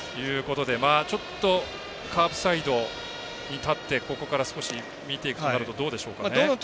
ちょっとカープサイドに立ってここから少し見ていくとなるとどうでしょうかね。